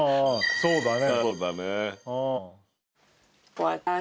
そうだね。